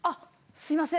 すいません！